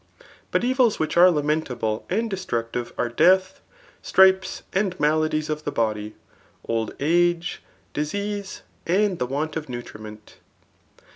But evils which are lamentable and destructive ar^ death, stripes, the maladies of the body, old age, dis^ ease, and the want of nutriment.